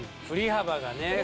振り幅がね。